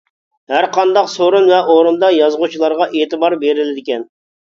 ھەرقانداق سورۇن ۋە ئورۇندا يازغۇچىلارغا ئېتىبار بېرىلىدىكەن.